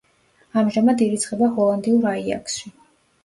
ამჟამად ირიცხება ჰოლანდიურ აიაქსში.